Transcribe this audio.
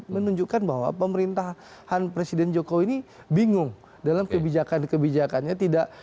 menunjukkan bahwa pemerintahan presiden jokowi ini bingung dalam kebijakan kebijakannya tidak